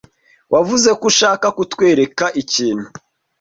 Wavuze ko ushaka kutwereka ikintu.